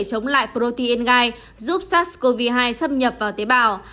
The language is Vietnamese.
chống lại protein ngai giúp sars cov hai xâm nhập vào tế bào